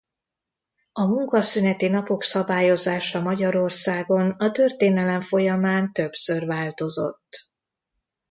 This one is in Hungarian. A munkaszüneti napok szabályozása Magyarországon a történelem folyamán többször változott.